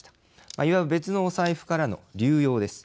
いわば別のお財布からの流用です。